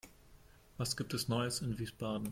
Was gibt es Neues in Wiesbaden?